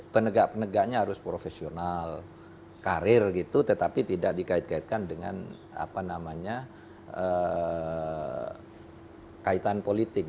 penegak penegaknya harus profesional karir gitu tetapi tidak dikait kaitkan dengan apa namanya kaitan politik